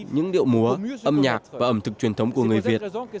những điệu múa âm nhạc và ẩm thực truyền thống của người việt